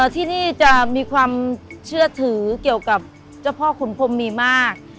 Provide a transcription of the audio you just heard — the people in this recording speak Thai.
ที่นี่จะมีความเชื่อถือเกี่ยวกับเจ้าพ่อขุนพรมมีมาก